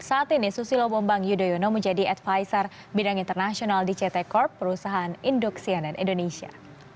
saat ini susilo bambang yudhoyono menjadi advisor bidang internasional di ct corp perusahaan induk cnn indonesia